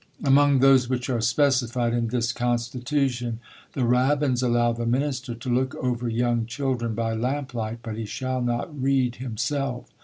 Among those which are specified in this constitution, the rabbins allow the minister to look over young children by lamp light, but he shall not read himself.